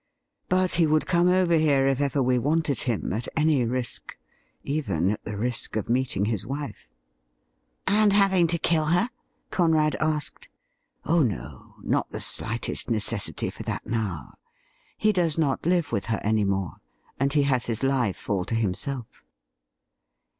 But he would come over here if ever we wanted him, at any risk — even at the risk of meeting his wife.' ' And having to kill her .?' Conrad asked. ' Oh no ; not the slightest necessity for that now. He does not live with her any more, and he has his life all to himself.'